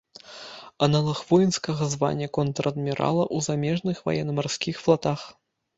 Аналаг воінскага звання контр-адмірала ў замежных ваенна-марскіх флатах.